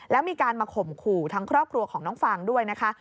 แล้วมีการมาข่มขู่ทั้งครอบครัวของน้องฟางด้วยนะคะ